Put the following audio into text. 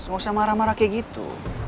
mau siapa marah marah kayak gitu